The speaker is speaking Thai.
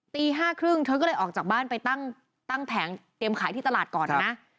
ตี๕๓๐เธอก็เลยออกจากบ้านไปตั้งแผงเตรียมขายที่ตลาดก่อนนะนะ